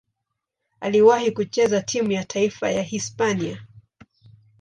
Aliwahi kucheza timu ya taifa ya Hispania.